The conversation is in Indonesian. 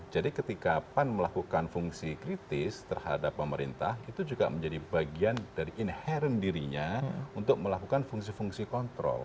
jadi ketika pan melakukan fungsi kritis terhadap pemerintah itu juga menjadi bagian dari inherent dirinya untuk melakukan fungsi fungsi kontrol